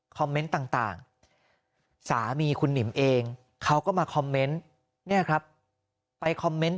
เมนต์ต่างสามีคุณหนิมเองเขาก็มาคอมเมนต์เนี่ยครับไปคอมเมนต์